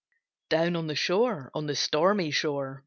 II. Down on the shore, on the stormy shore!